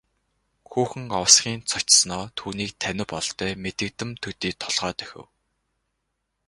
Хүүхэн овсхийн цочсоноо түүнийг танив бололтой мэдэгдэм төдий толгой дохив.